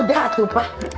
udah tuh pak